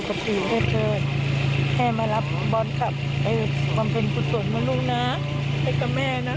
สุขตีนเพื่อนแม่มารับบอลค่ะให้ความเป็นฝุ่นสวนมาลูกนะไปกับแม่นะ